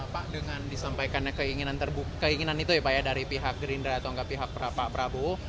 pak dengan disampaikannya keinginan itu ya pak ya dari pihak gerindra atau enggak pihak pak prabowo